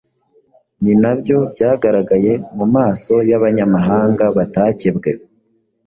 ni nabyo byagaragaye mu maso y’Abanyamahanga batakebwe.